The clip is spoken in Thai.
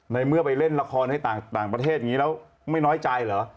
ในเมื่อไปเล่นลักษณ์ให้ต่างประเทศก็ไม่น้อยใจเหรอ